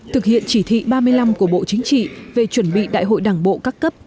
thực hiện chỉ thị ba mươi năm của bộ chính trị về chuẩn bị đại hội đảng bộ các cấp